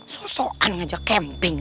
sosoan ngajak camping